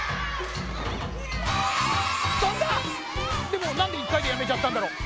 でもなんで１かいでやめちゃったんだろう？